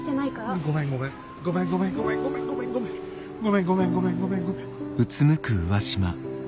ごめんごめんごめんごめんごめん。